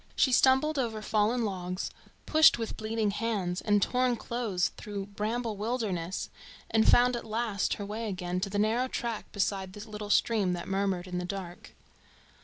She stumbled over fallen logs, pushed with bleeding hands and torn clothes through bramble wildernesses, and found at last her way again to the narrow track beside the little stream that murmured in the dark.